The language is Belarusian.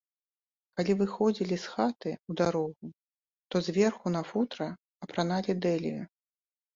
Калі выходзілі з хаты ў дарогу, то зверху на футра апраналі дэлію.